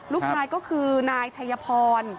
ลูกชายก็คือนายชัยพร